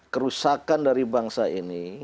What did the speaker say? kerusakan dari bangsa ini